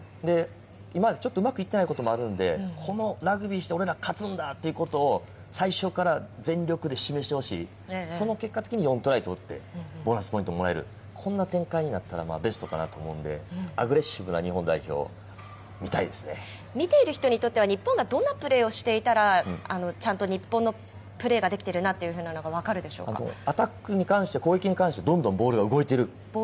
今まだ、ちょっとうまくいってないこともあるんで、このラグビーして俺ら勝つんだということを、最初から全力で示してほしい、その結果、４トライ取ってボーナスポイントもらえる、こんな展開になったらベストかなと思うんで、アグレッシブな日本代表を見たい見ている人にとっては、日本がどんなプレーをしていたら、ちゃんと日本のプレーができてるなというようなのが分かるでしょアタックに関して、攻撃に関ボールが動いている。